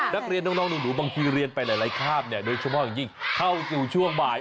นักเรียนน้องหนูบางทีเรียนไปหลายคาบเนี่ยโดยเฉพาะอย่างยิ่งเข้าสู่ช่วงบ่าย